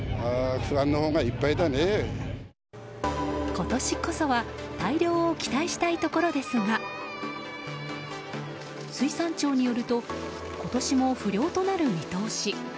今年こそは大漁を期待したいところですが水産庁によると今年も不漁となる見通し。